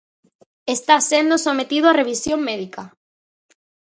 Está sendo sometido a revisión médica.